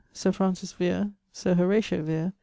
Sir Francis Vere. Sir Horatio Vere.